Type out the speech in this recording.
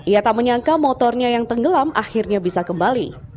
ia tak menyangka motornya yang tenggelam akhirnya bisa kembali